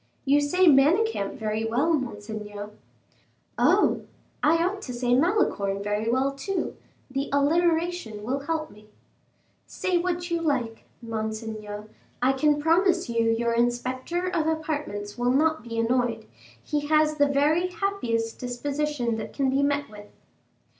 "You say Manicamp very well, monseigneur." "Oh, I ought to say Malicorne very well, too. The alliteration will help me." "Say what you like, monseigneur, I can promise you your inspector of apartments will not be annoyed; he has the very happiest disposition that can be met with."